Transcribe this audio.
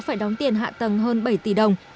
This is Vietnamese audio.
phải đóng tiền hạ tầng hơn bảy tỷ đồng